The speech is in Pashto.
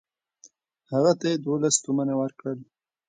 هغه ته یې دوولس تومنه ورکړل.